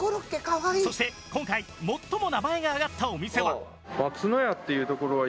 そして今回最も名前が挙がったお店は。